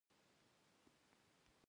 د ایران سیاحت ډیر ظرفیت لري.